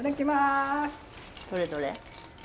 どれどれ？